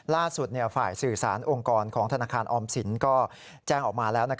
ล่าสุดฝ่ายสื่อสารองค์กรของธนาคารออมสินก็แจ้งออกมาแล้ว